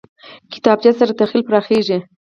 کتابچه سره تخیل پراخېږي